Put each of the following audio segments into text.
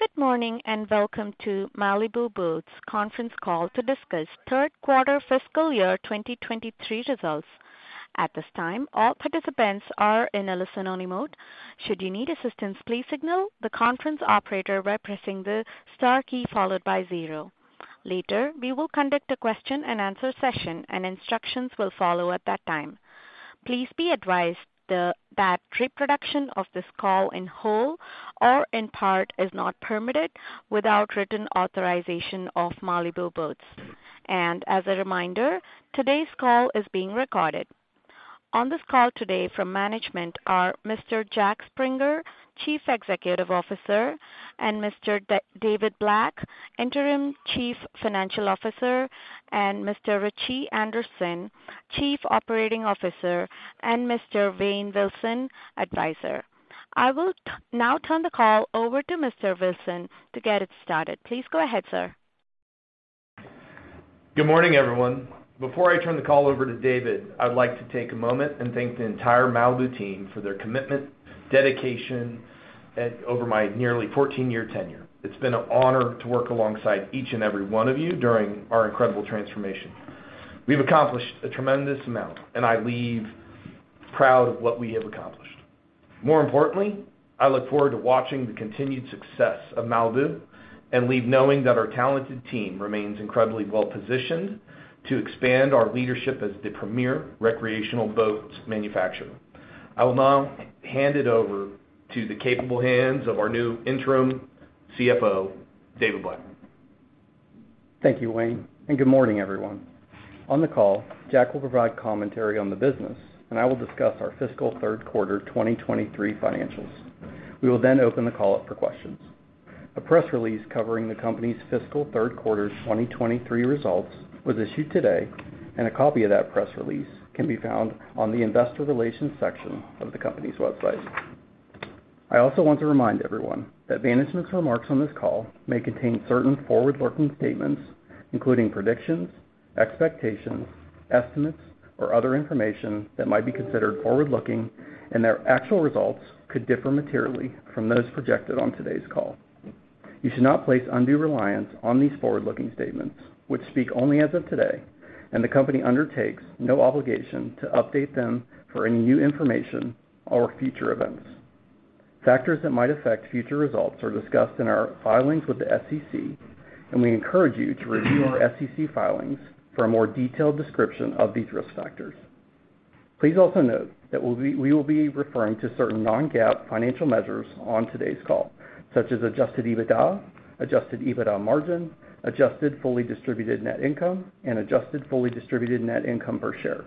Good morning, and welcome to Malibu Boats conference call to discuss third quarter fiscal year 2023 results. At this time, all participants are in a listen-only mode. Should you need assistance, please signal the conference operator by pressing the star key followed by zero. Later, we will conduct a question-and-answer session, and instructions will follow at that time. Please be advised that reproduction of this call in whole or in part is not permitted without written authorization of Malibu Boats. As a reminder, today's call is being recorded. On this call today from management are Mr. Jack Springer, Chief Executive Officer, and Mr. David Black, Interim Chief Financial Officer, and Mr. Ritchie Anderson, Chief Operating Officer, and Mr. Wayne Wilson, advisor. I will now turn the call over to Mr. Wilson to get it started. Please go ahead, sir. Good morning, everyone. Before I turn the call over to David, I'd like to take a moment and thank the entire Malibu team for their commitment, dedication, over my nearly 14-year tenure. It's been an honor to work alongside each and every one of you during our incredible transformation. We've accomplished a tremendous amount. I leave proud of what we have accomplished. More importantly, I look forward to watching the continued success of Malibu and leave knowing that our talented team remains incredibly well-positioned to expand our leadership as the premier recreational boats manufacturer. I will now hand it over to the capable hands of our new interim CFO, David Black. Thank you, Wayne, and good morning, everyone. On the call, Jack will provide commentary on the business, and I will discuss our fiscal third quarter 2023 financials. We will then open the call up for questions. A press release covering the company's fiscal third quarter 2023 results was issued today, and a copy of that press release can be found on the investor relations section of the company's website. I also want to remind everyone that management's remarks on this call may contain certain forward-looking statements, including predictions, expectations, estimates, or other information that might be considered forward-looking, and their actual results could differ materially from those projected on today's call. You should not place undue reliance on these forward-looking statements, which speak only as of today, and the company undertakes no obligation to update them for any new information or future events. Factors that might affect future results are discussed in our filings with the SEC. We encourage you to review our SEC filings for a more detailed description of these risk factors. Please also note that we will be referring to certain non-GAAP financial measures on today's call, such as adjusted EBITDA, adjusted EBITDA margin, adjusted fully distributed net income, and adjusted fully distributed net income per share.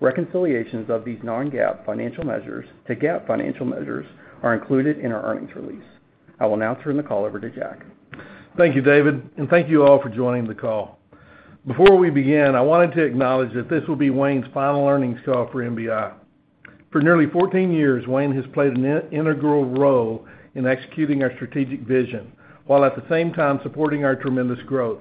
Reconciliations of these non-GAAP financial measures to GAAP financial measures are included in our earnings release. I will now turn the call over to Jack. Thank you, David. Thank you all for joining the call. Before we begin, I wanted to acknowledge that this will be Wayne's final earnings call for MBI. For nearly 14 years, Wayne has played an integral role in executing our strategic vision while at the same time supporting our tremendous growth.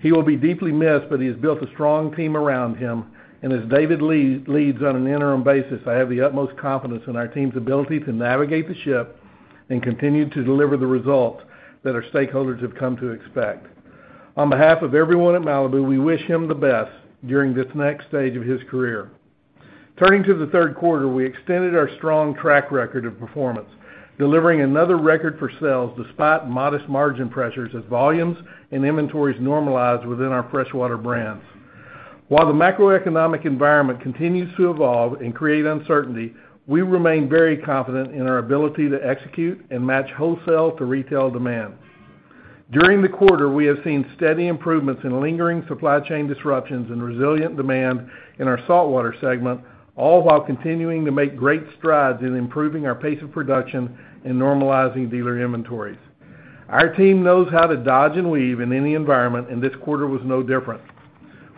He will be deeply missed. He has built a strong team around him, as David leads on an interim basis, I have the utmost confidence in our team's ability to navigate the ship and continue to deliver the results that our stakeholders have come to expect. On behalf of everyone at Malibu, we wish him the best during this next stage of his career. Turning to the third quarter, we extended our strong track record of performance, delivering another record for sales despite modest margin pressures as volumes and inventories normalized within our freshwater brands. While the macroeconomic environment continues to evolve and create uncertainty, we remain very confident in our ability to execute and match wholesale to retail demand. During the quarter, we have seen steady improvements in lingering supply chain disruptions and resilient demand in our saltwater segment, all while continuing to make great strides in improving our pace of production and normalizing dealer inventories. Our team knows how to dodge and weave in any environment, and this quarter was no different.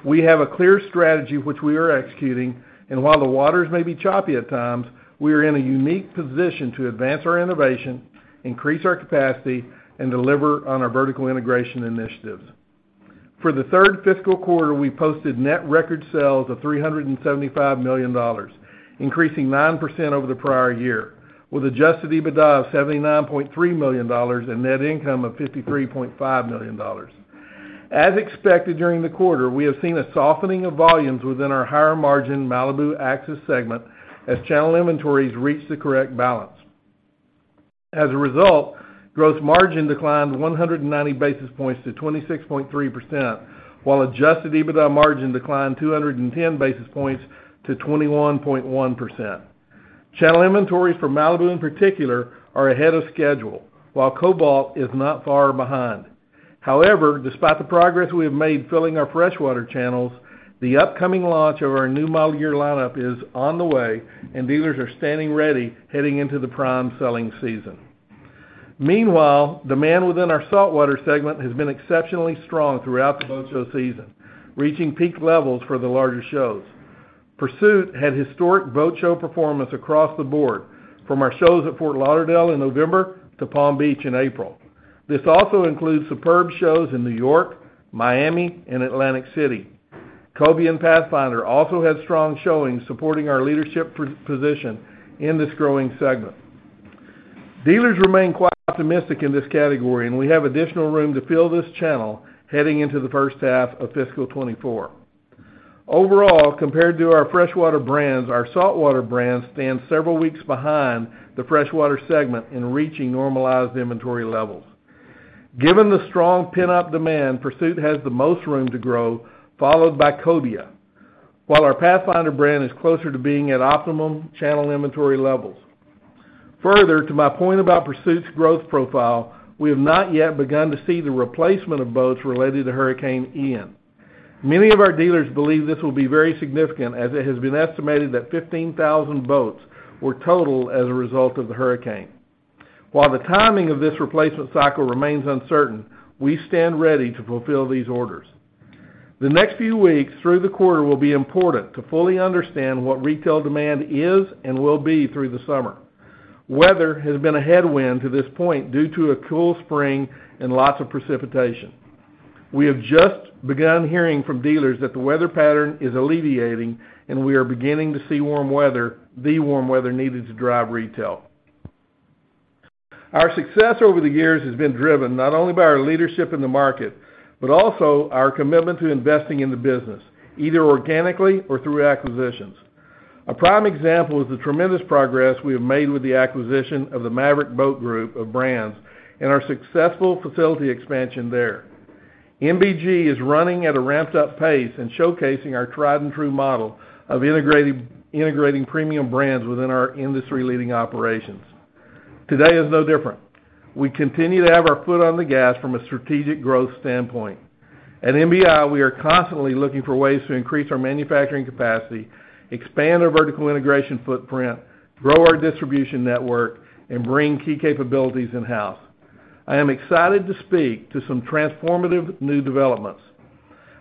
We have a clear strategy which we are executing, and while the waters may be choppy at times, we are in a unique position to advance our innovation, increase our capacity, and deliver on our vertical integration initiatives. For the third fiscal quarter, we posted net record sales of $375 million, increasing 9% over the prior year, with adjusted EBITDA of $79.3 million and net income of $53.5 million. As expected during the quarter, we have seen a softening of volumes within our higher-margin Malibu Axis segment as channel inventories reach the correct balance. As a result, gross margin declined 190 basis points to 26.3%, while adjusted EBITDA margin declined 210 basis points to 21.1%. Channel inventories for Malibu, in particular, are ahead of schedule, while Cobalt is not far behind. Despite the progress we have made filling our freshwater channels, the upcoming launch of our new model year lineup is on the way, and dealers are standing ready heading into the prime selling season. Demand within our saltwater segment has been exceptionally strong throughout the boat show season, reaching peak levels for the larger shows. Pursuit had historic boat show performance across the board, from our shows at Fort Lauderdale in November to Palm Beach in April. This also includes superb shows in New York, Miami, and Atlantic City. Cobia and Pathfinder also had strong showings supporting our leadership position in this growing segment. Dealers remain quite optimistic in this category. We have additional room to fill this channel heading into the first half of fiscal 24. Compared to our freshwater brands, our saltwater brands stand several weeks behind the freshwater segment in reaching normalized inventory levels. Given the strong pent-up demand, Pursuit has the most room to grow, followed by Cobia, while our Pathfinder brand is closer to being at optimum channel inventory levels. Further, to my point about Pursuit's growth profile, we have not yet begun to see the replacement of boats related to Hurricane Ian. Many of our dealers believe this will be very significant, as it has been estimated that 15,000 boats were totaled as a result of the hurricane. While the timing of this replacement cycle remains uncertain, we stand ready to fulfill these orders. The next few weeks through the quarter will be important to fully understand what retail demand is and will be through the summer. Weather has been a headwind to this point due to a cool spring and lots of precipitation. We have just begun hearing from dealers that the weather pattern is alleviating, and we are beginning to see warm weather, the warm weather needed to drive retail. Our success over the years has been driven not only by our leadership in the market, but also our commitment to investing in the business, either organically or through acquisitions. A prime example is the tremendous progress we have made with the acquisition of the Maverick Boat Group of brands and our successful facility expansion there. MBG is running at a ramped-up pace and showcasing our tried-and-true model of integrating premium brands within our industry-leading operations. Today is no different. We continue to have our foot on the gas from a strategic growth standpoint. At MBI, we are constantly looking for ways to increase our manufacturing capacity, expand our vertical integration footprint, grow our distribution network, and bring key capabilities in-house. I am excited to speak to some transformative new developments.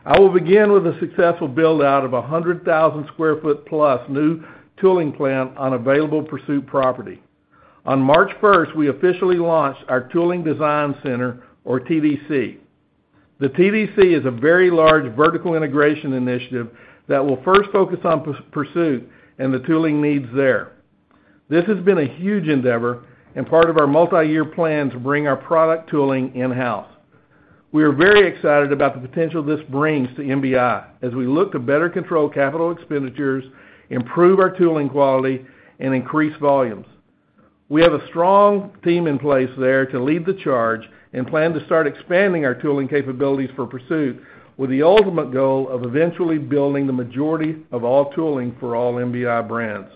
I will begin with the successful build-out of a 100,000 sq ft plus new tooling plant on available Pursuit property. On March first, we officially launched our Tooling Design Center, or TDC. The TDC is a very large vertical integration initiative that will first focus on Pursuit and the tooling needs there. This has been a huge endeavor and part of our multiyear plan to bring our product tooling in-house. We are very excited about the potential this brings to MBI as we look to better control capital expenditures, improve our tooling quality, and increase volumes. We have a strong team in place there to lead the charge and plan to start expanding our tooling capabilities for Pursuit with the ultimate goal of eventually building the majority of all tooling for all MBI brands.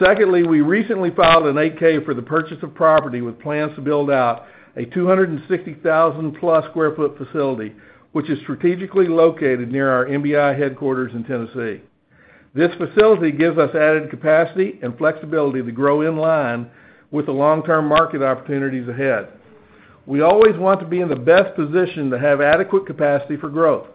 Secondly, we recently filed an 8-K for the purchase of property with plans to build out a 260,000+ square foot facility, which is strategically located near our MBI headquarters in Tennessee. This facility gives us added capacity and flexibility to grow in line with the long-term market opportunities ahead. We always want to be in the best position to have adequate capacity for growth.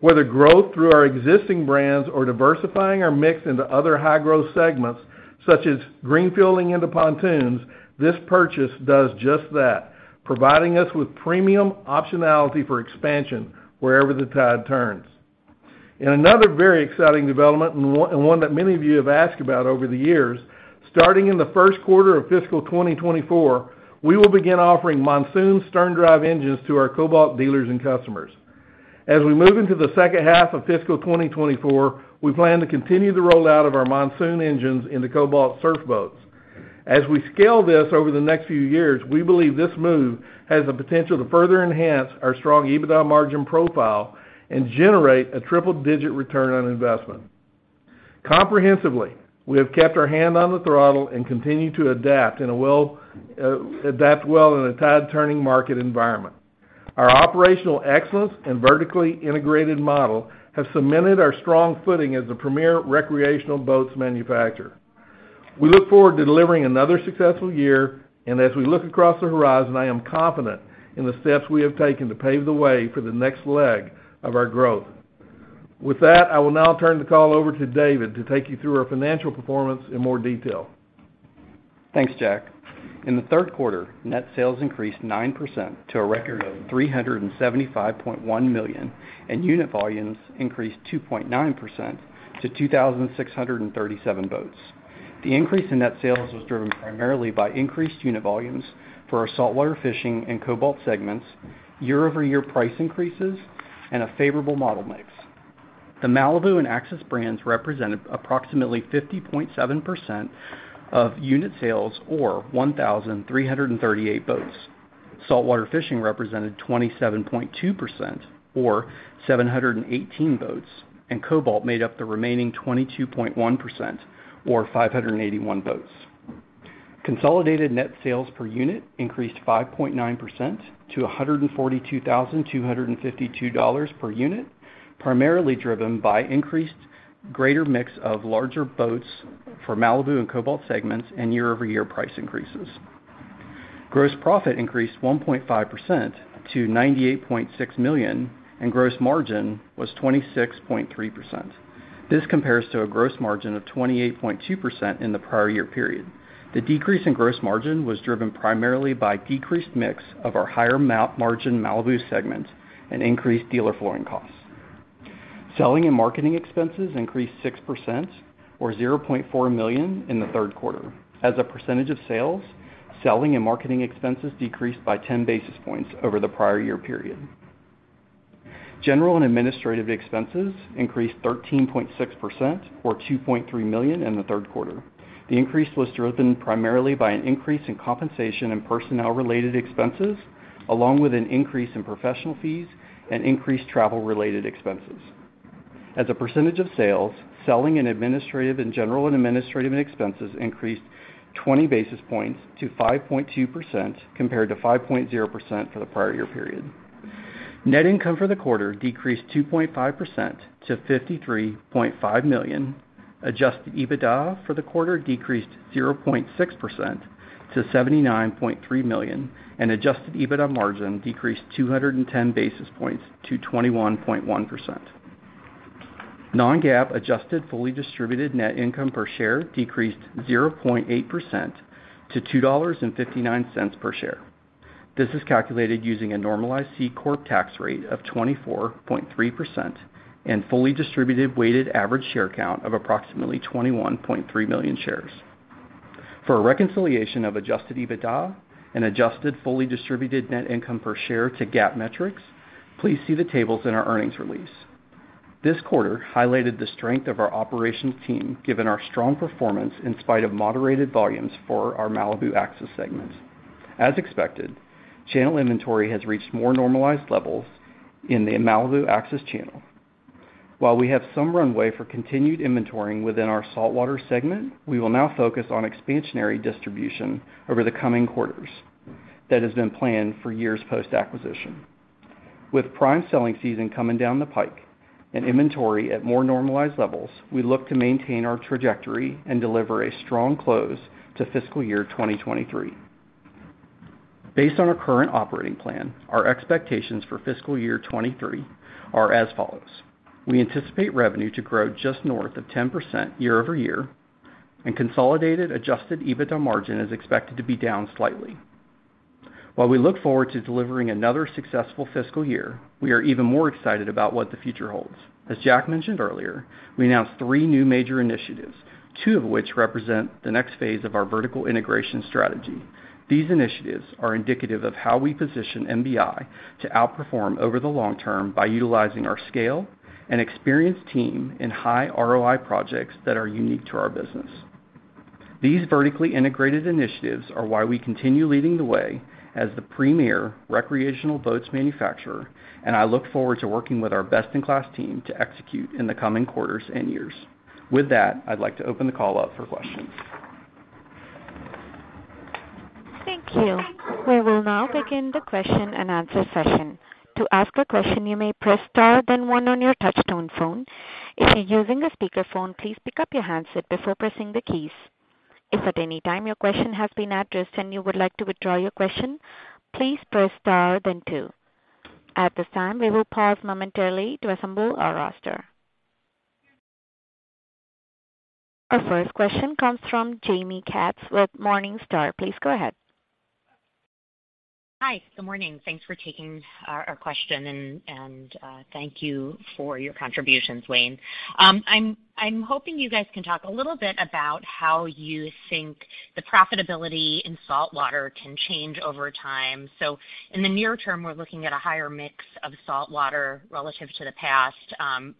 Whether growth through our existing brands or diversifying our mix into other high-growth segments, such as greenfielding into pontoons, this purchase does just that, providing us with premium optionality for expansion wherever the tide turns. In another very exciting development and one that many of you have asked about over the years, starting in the first quarter of fiscal 2024, we will begin offering Monsoon sterndrive engines to our Cobalt dealers and customers. As we move into the second half of fiscal 2024, we plan to continue the rollout of our Monsoon engines into Cobalt surf boats. As we scale this over the next few years, we believe this move has the potential to further enhance our strong EBITDA margin profile and generate a triple-digit return on investment. Comprehensively, we have kept our hand on the throttle and continue to adapt well in a tide-turning market environment. Our operational excellence and vertically integrated model have cemented our strong footing as the premier recreational boats manufacturer. We look forward to delivering another successful year, and as we look across the horizon, I am confident in the steps we have taken to pave the way for the next leg of our growth. With that, I will now turn the call over to David to take you through our financial performance in more detail. Thanks, Jack. In the third quarter, net sales increased 9% to a record of $375.1 million, unit volumes increased 2.9% to 2,637 boats. The increase in net sales was driven primarily by increased unit volumes for our saltwater fishing and Cobalt segments, year-over-year price increases, and a favorable model mix. The Malibu and Axis brands represented approximately 50.7% of unit sales, or 1,338 boats. Saltwater fishing represented 27.2%, or 718 boats, Cobalt made up the remaining 22.1%, or 581 boats. Consolidated net sales per unit increased 5.9% to $142,252 per unit, primarily driven by increased greater mix of larger boats for Malibu and Cobalt segments and year-over-year price increases. Gross profit increased 1.5% to $98.6 million, and gross margin was 26.3%. This compares to a gross margin of 28.2% in the prior year period. The decrease in gross margin was driven primarily by decreased mix of our higher mount margin Malibu segment and increased dealer flooring costs. Selling and marketing expenses increased 6% or $0.4 million in the third quarter. As a percentage of sales, selling and marketing expenses decreased by 10 basis points over the prior year period. General and administrative expenses increased 13.6% or $2.3 million in the third quarter. The increase was driven primarily by an increase in compensation and personnel-related expenses, along with an increase in professional fees and increased travel-related expenses. As a percentage of sales, selling and administrative and general and administrative expenses increased 20 basis points to 5.2% compared to 5.0% for the prior year period. Net income for the quarter decreased 2.5% to $53.5 million. Adjusted EBITDA for the quarter decreased 0.6% to $79.3 million, and adjusted EBITDA margin decreased 210 basis points to 21.1%. Non-GAAP adjusted fully distributed net income per share decreased 0.8% to $2.59 per share. This is calculated using a normalized C Corp tax rate of 24.3% and fully distributed weighted average share count of approximately 21.3 million shares. For a reconciliation of adjusted EBITDA and Adjusted Fully Distributed Net Income per Share to GAAP metrics, please see the tables in our earnings release. This quarter highlighted the strength of our operations team given our strong performance in spite of moderated volumes for our Malibu Axis segments. As expected, channel inventory has reached more normalized levels in the Malibu Axis channel. While we have some runway for continued inventory within our saltwater segment, we will now focus on expansionary distribution over the coming quarters that has been planned for years post-acquisition. With prime selling season coming down the pike and inventory at more normalized levels, we look to maintain our trajectory and deliver a strong close to fiscal year 2023. Based on our current operating plan, our expectations for fiscal year 2023 are as follows. We anticipate revenue to grow just north of 10% year-over-year, and consolidated adjusted EBITDA margin is expected to be down slightly. While we look forward to delivering another successful fiscal year, we are even more excited about what the future holds. As Jack mentioned earlier, we announced three new major initiatives, two of which represent the next phase of our vertical integration strategy. These initiatives are indicative of how we position MBI to outperform over the long term by utilizing our scale and experienced team in high ROI projects that are unique to our business. These vertically integrated initiatives are why we continue leading the way as the premier recreational boats manufacturer. I look forward to working with our best-in-class team to execute in the coming quarters and years. With that, I'd like to open the call up for questions. Thank you. We will now begin the question and answer session. To ask a question, you may press Star, then one on your touchtone phone. If you're using a speakerphone, please pick up your handset before pressing the keys. If at any time your question has been addressed and you would like to withdraw your question, please press Star then two. At this time, we will pause momentarily to assemble our roster. Our first question comes from Jaime Katz with Morningstar. Please go ahead. Hi. Good morning. Thanks for taking our question and thank you for your contributions, Wayne. I'm hoping you guys can talk a little bit about how you think the profitability in saltwater can change over time. In the near term, we're looking at a higher mix of saltwater relative to the past,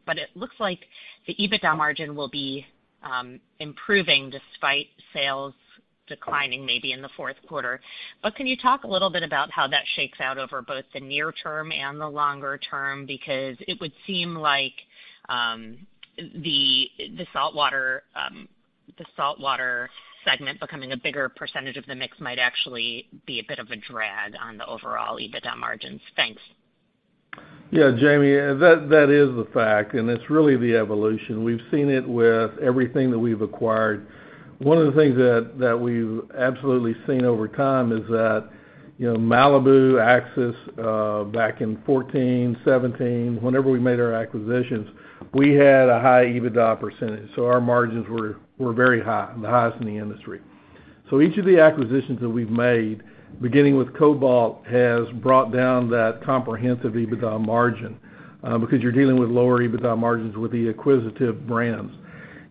but it looks like the EBITDA margin will be improving despite sales declining maybe in the fourth quarter. Can you talk a little bit about how that shakes out over both the near term and the longer term? It would seem like the saltwater, the saltwater segment becoming a bigger percentage of the mix might actually be a bit of a drag on the overall EBITDA margins. Thanks. Yeah, Jaime, that is the fact, and it's really the evolution. We've seen it with everything that we've acquired. One of the things that we've absolutely seen over time is that, you know, Malibu, Axis, back in 14, 17, whenever we made our acquisitions, we had a high EBITDA %, so our margins were very high, the highest in the industry. Each of the acquisitions that we've made, beginning with Cobalt, has brought down that comprehensive EBITDA margin, because you're dealing with lower EBITDA margins with the acquisitive brands,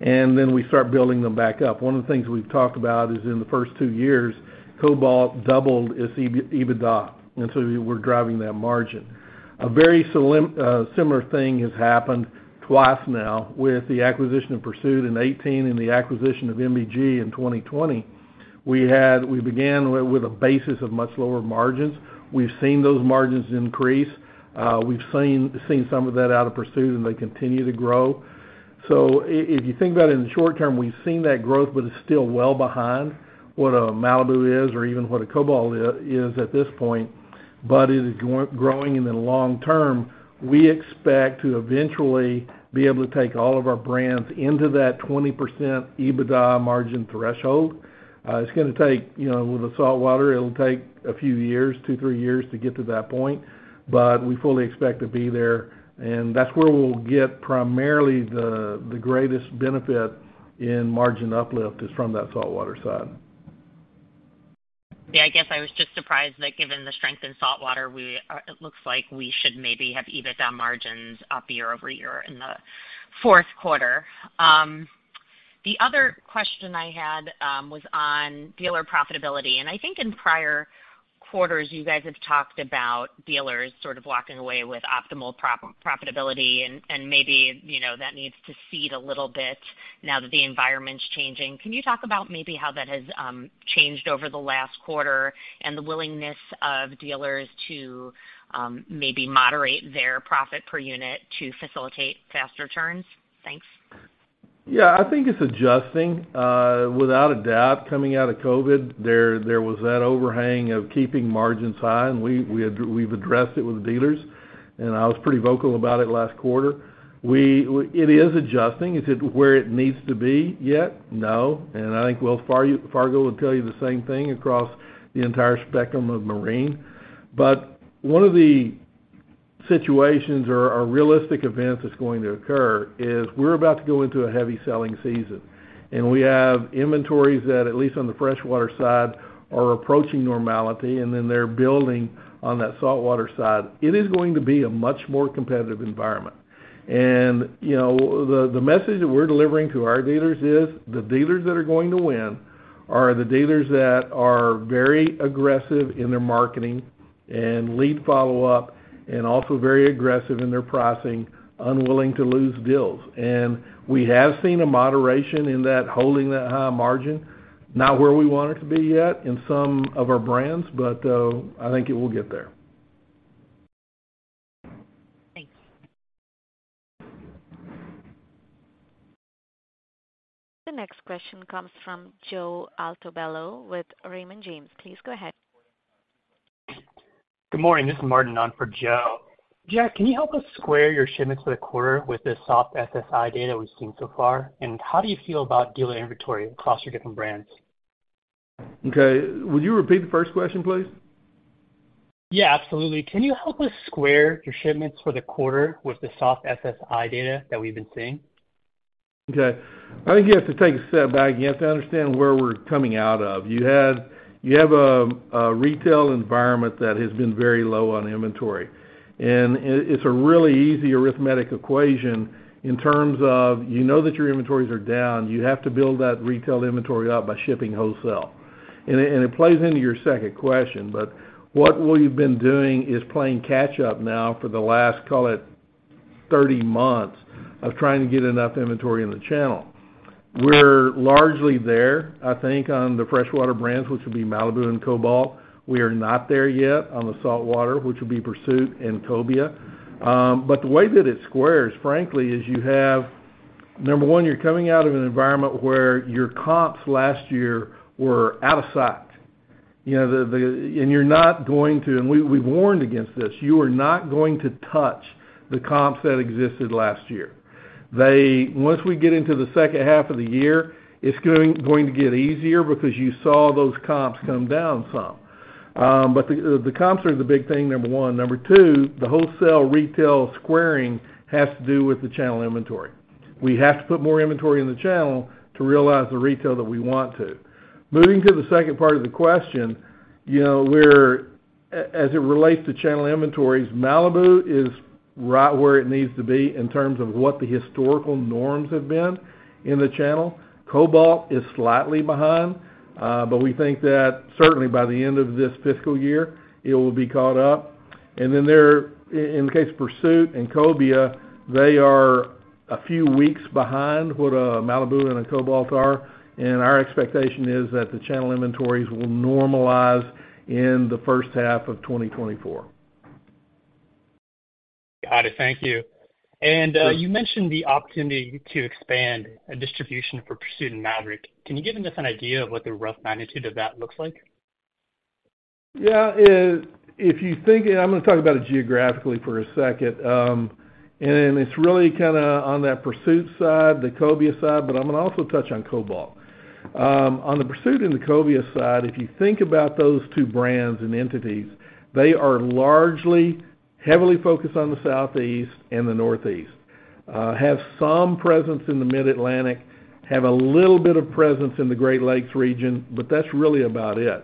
and then we start building them back up. One of the things we've talked about is in the first 2 years, Cobalt doubled its EBITDA, and so we're driving that margin. A very similar thing has happened twice now with the acquisition of Pursuit in 2018 and the acquisition of MBG in 2020. We began with a basis of much lower margins. We've seen those margins increase. We've seen some of that out of Pursuit, and they continue to grow. If you think about it in the short term, we've seen that growth, but it's still well behind what a Malibu is or even what a Cobalt is at this point. It is growing in the long term. We expect to eventually be able to take all of our brands into that 20% EBITDA margin threshold. It's gonna take, you know, with the saltwater, it'll take a few years, two, three years to get to that point, but we fully expect to be there. That's where we'll get primarily the greatest benefit in margin uplift is from that saltwater side. Yeah, I guess I was just surprised that given the strength in saltwater, it looks like we should maybe have EBITDA margins up year-over-year in the fourth quarter. The other question I had was on dealer profitability, and I think in prior quarters you guys have talked about dealers sort of walking away with optimal pro-profitability and maybe, you know, that needs to cede a little bit now that the environment's changing. Can you talk about maybe how that has changed over the last quarter and the willingness of dealers to maybe moderate their profit per unit to facilitate faster turns? Thanks. Yeah. I think it's adjusting. Without a doubt, coming out of COVID, there was that overhang of keeping margins high, and we've addressed it with the dealers, and I was pretty vocal about it last quarter. It is adjusting. Is it where it needs to be yet? No. I think Wells Fargo would tell you the same thing across the entire spectrum of marine. One of the situations or realistic events that's going to occur is we're about to go into a heavy selling season, and we have inventories that, at least on the freshwater side, are approaching normality, and then they're building on that saltwater side. It is going to be a much more competitive environment. You know, the message that we're delivering to our dealers is, the dealers that are going to win are the dealers that are very aggressive in their marketing and lead follow-up and also very aggressive in their pricing, unwilling to lose deals. We have seen a moderation in that, holding that high margin, not where we want it to be yet in some of our brands, but, I think it will get there. Thanks. The next question comes from Joe Altobello with Raymond James. Please go ahead. Good morning. This is Martin on for Joe. Jack, can you help us square your shipments for the quarter with the soft SSI data we've seen so far? How do you feel about dealer inventory across your different brands? Okay. Would you repeat the first question, please? Yeah. Absolutely. Can you help us square your shipments for the quarter with the soft SSI data that we've been seeing? Okay. I think you have to take a step back. You have to understand where we're coming out of. You have a retail environment that has been very low on inventory. It's a really easy arithmetic equation in terms of you know that your inventories are down. You have to build that retail inventory up by shipping wholesale. It plays into your second question, what we've been doing is playing catch up now for the last, call it 30 months of trying to get enough inventory in the channel. We're largely there, I think, on the freshwater brands, which would be Malibu and Cobalt. We are not there yet on the saltwater, which would be Pursuit and Cobia. The way that it squares, frankly, is number one, you're coming out of an environment where your comps last year were out of sight. You know, and we've warned against this. You are not going to touch the comps that existed last year. Once we get into the second half of the year, it's going to get easier because you saw those comps come down some. The comps are the big thing, number one. Number two, the wholesale retail squaring has to do with the channel inventory. We have to put more inventory in the channel to realize the retail that we want to. Moving to the second part of the question, you know, as it relates to channel inventories, Malibu is right where it needs to be in terms of what the historical norms have been in the channel. Cobalt is slightly behind, but we think that certainly by the end of this fiscal year, it will be caught up. In the case of Pursuit and Cobia, they are a few weeks behind what, Malibu and Cobalt are, and our expectation is that the channel inventories will normalize in the first half of 2024. Got it. Thank you. You mentioned the opportunity to expand a distribution for Pursuit and Maverick. Can you give us an idea of what the rough magnitude of that looks like? Yeah. I'm gonna talk about it geographically for a second. It's really kinda on that Pursuit side, the Cobia side, but I'm gonna also touch on Cobalt. On the Pursuit and the Cobia side, if you think about those two brands and entities, they are largely heavily focused on the Southeast and the Northeast. Have some presence in the Mid-Atlantic, have a little bit of presence in the Great Lakes region, that's really about it.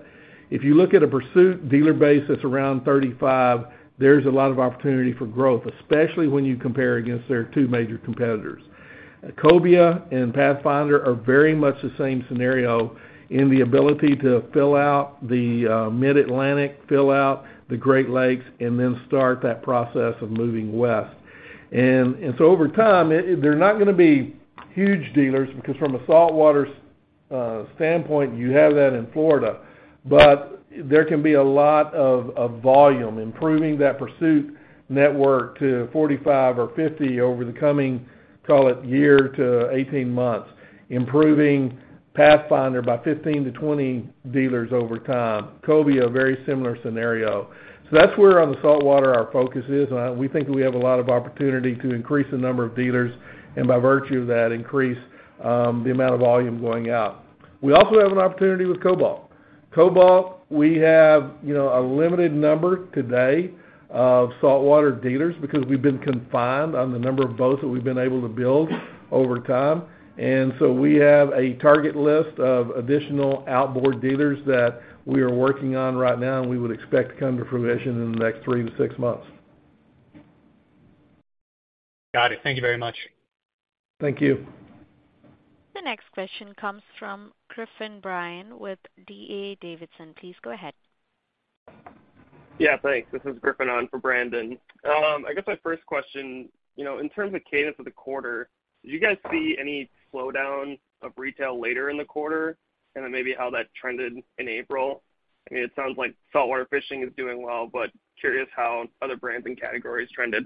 If you look at a Pursuit dealer base that's around 35, there's a lot of opportunity for growth, especially when you compare against their two major competitors. Cobia and Pathfinder are very much the same scenario in the ability to fill out the Mid-Atlantic, fill out the Great Lakes, start that process of moving west. Over time, they're not gonna be huge dealers because from a saltwater standpoint, you have that in Florida. There can be a lot of volume improving that Pursuit network to 45 or 50 over the coming, call it year to 18 months, improving Pathfinder by 15 to 20 dealers over time. Cobia, a very similar scenario. That's where on the saltwater our focus is. We think we have a lot of opportunity to increase the number of dealers and by virtue of that increase, the amount of volume going out. We also have an opportunity with Cobalt. Cobalt, we have, you know, a limited number today of saltwater dealers because we've been confined on the number of boats that we've been able to build over time. We have a target list of additional outboard dealers that we are working on right now and we would expect to come to fruition in the next 3-6 months. Got it. Thank you very much. Thank you. The next question comes from Bryan Griffin with D.A. Davidson. Please go ahead. Thanks. This is Griffin on for Brandon. I guess my first question, you know, in terms of cadence of the quarter, did you guys see any slowdown of retail later in the quarter? Maybe how that trended in April? I mean, it sounds like saltwater fishing is doing well. Curious how other brands and categories trended.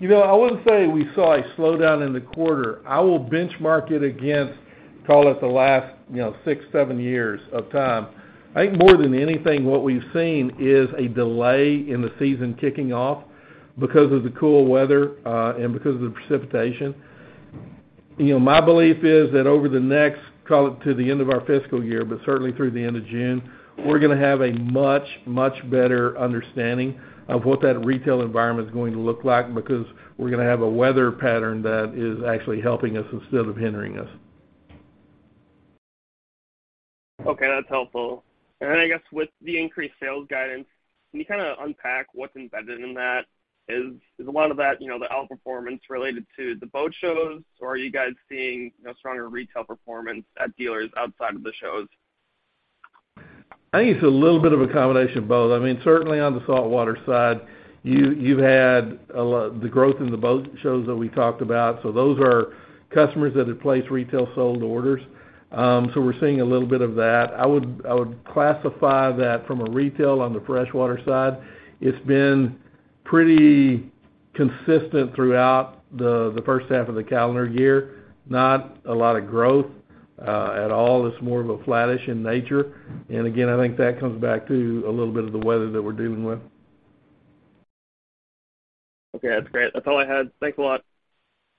You know, I wouldn't say we saw a slowdown in the quarter. I will benchmark it against, call it the last, you know, 6, 7 years of time. I think more than anything, what we've seen is a delay in the season kicking off because of the cool weather and because of the precipitation. You know, my belief is that over the next, call it to the end of our fiscal year, but certainly through the end of June, we're gonna have a much better understanding of what that retail environment is going to look like because we're gonna have a weather pattern that is actually helping us instead of hindering us. Okay, that's helpful. Then I guess with the increased sales guidance, can you kinda unpack what's embedded in that? Is a lot of that, you know, the outperformance related to the boat shows, or are you guys seeing a stronger retail performance at dealers outside of the shows? I think it's a little bit of a combination of both. I mean, certainly on the saltwater side, you've had the growth in the boat shows that we talked about. Those are customers that have placed retail sold orders. We're seeing a little bit of that. I would classify that from a retail on the freshwater side. It's been pretty consistent throughout the first half of the calendar year. Not a lot of growth at all. It's more of a flattish in nature. Again, I think that comes back to a little bit of the weather that we're dealing with. Okay, that's great. That's all I had. Thanks a lot.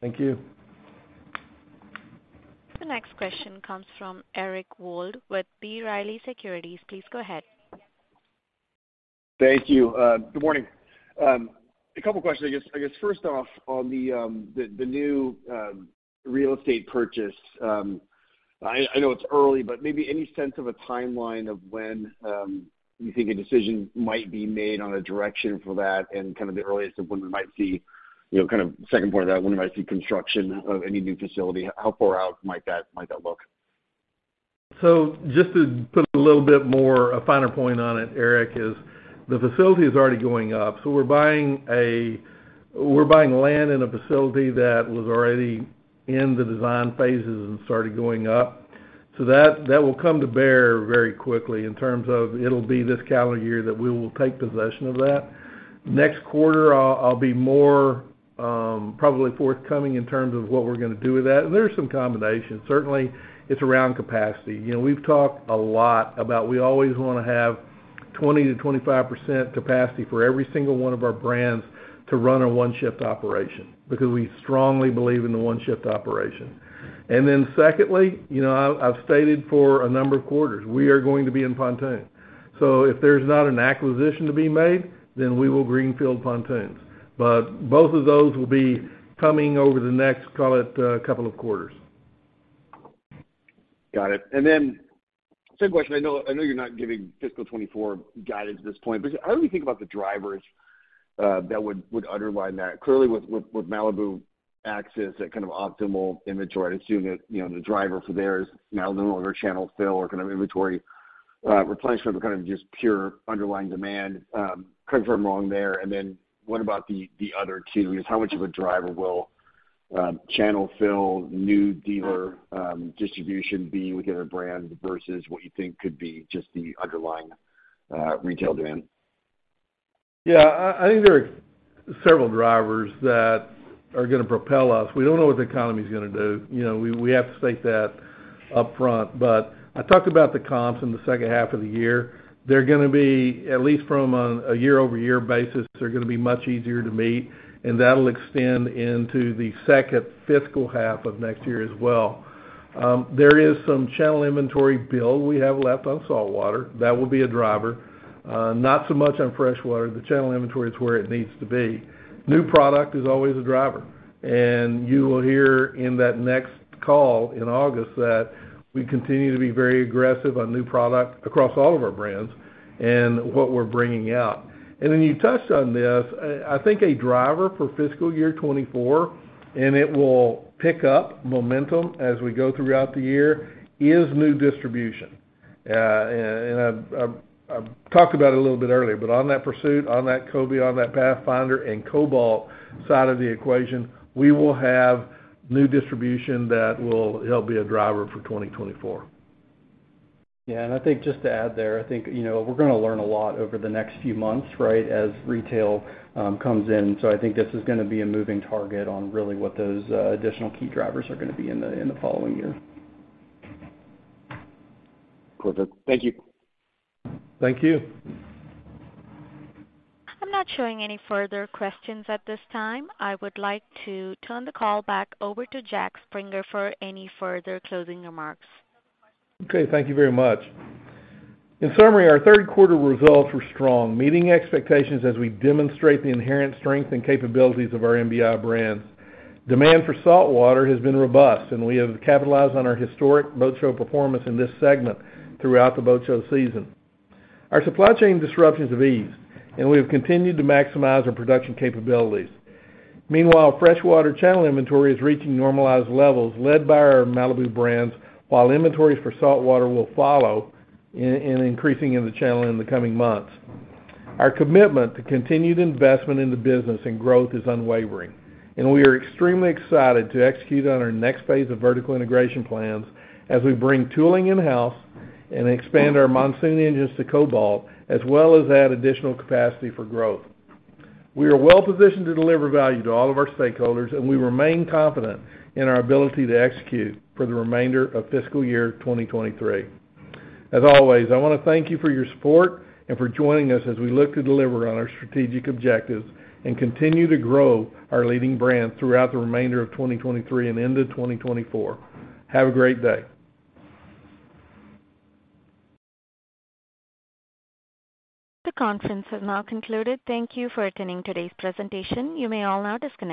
Thank you. The next question comes from Eric Wold with B. Riley Securities. Please go ahead. Thank you. Good morning. A couple questions, I guess. I guess first off, on the new real estate purchase, I know it's early, but maybe any sense of a timeline of when you think a decision might be made on a direction for that and kind of the earliest of when we might see, you know, kind of second part of that, when we might see construction of any new facility, how far out might that look? Just to put a little bit more, a finer point on it, Eric, is the facility is already going up. We're buying land in a facility that was already in the design phases and started going up. That will come to bear very quickly in terms of it'll be this calendar year that we will take possession of that. Next quarter, I'll be more, probably forthcoming in terms of what we're gonna do with that. There are some combinations. Certainly, it's around capacity. You know, we've talked a lot about we always wanna have 20%-25% capacity for every single one of our brands to run a one-shift operation because we strongly believe in the one-shift operation. Secondly, you know, I've stated for a number of quarters, we are going to be in pontoon. If there's not an acquisition to be made, then we will greenfield pontoons. Both of those will be coming over the next, call it, couple of quarters. Got it. Second question, I know you're not giving fiscal 2024 guidance at this point, but how do we think about the drivers that would underline that? Clearly, with Malibu Axis, that kind of optimal image or I assume that, you know, the driver for theirs, Malibu or their channel fill or kind of inventory, replenishment or kind of just pure underlying demand, correct me if I'm wrong there. What about the other two? Is how much of a driver will channel fill new dealer distribution be with the other brands versus what you think could be just the underlying retail demand? I think there are several drivers that are gonna propel us. We don't know what the economy is gonna do. You know, we have to state that upfront. I talked about the comps in the second half of the year. They're gonna be, at least from a year-over-year basis, they're gonna be much easier to meet, and that'll extend into the second fiscal half of next year as well. There is some channel inventory build we have left on saltwater. That will be a driver. Not so much on freshwater. The channel inventory is where it needs to be. New product is always a driver. You will hear in that next call in August that we continue to be very aggressive on new product across all of our brands and what we're bringing out. You touched on this. I think a driver for fiscal year 24, and it will pick up momentum as we go throughout the year, is new distribution. I talked about it a little bit earlier, but on that Pursuit, on that Cobia, on that Pathfinder and Cobalt side of the equation, we will have new distribution that will help be a driver for 2024. Yeah. I think just to add there, I think, you know, we're gonna learn a lot over the next few months, right, as retail comes in. I think this is gonna be a moving target on really what those additional key drivers are gonna be in the following year. Cool. Thank you. Thank you. I'm not showing any further questions at this time. I would like to turn the call back over to Jack Springer for any further closing remarks. Okay. Thank you very much. In summary, our third quarter results were strong, meeting expectations as we demonstrate the inherent strength and capabilities of our MBI brands. Demand for saltwater has been robust, and we have capitalized on our historic boat show performance in this segment throughout the boat show season. Our supply chain disruptions have eased, and we have continued to maximize our production capabilities. Meanwhile, freshwater channel inventory is reaching normalized levels led by our Malibu brands, while inventories for saltwater will follow in increasing in the channel in the coming months. Our commitment to continued investment in the business and growth is unwavering, and we are extremely excited to execute on our next phase of vertical integration plans as we bring tooling in-house and expand our Monsoon engines to Cobalt, as well as add additional capacity for growth. We are well positioned to deliver value to all of our stakeholders. We remain confident in our ability to execute for the remainder of fiscal year 2023. As always, I wanna thank you for your support and for joining us as we look to deliver on our strategic objectives and continue to grow our leading brands throughout the remainder of 2023 and into 2024. Have a great day. The conference has now concluded. Thank Thank you for attending today's presentation. You may all now disconnect.